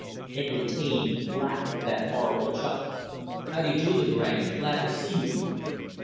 Edward Taine laughed with that horrid chuckle. "Howdy do, Lagrange glad to see you."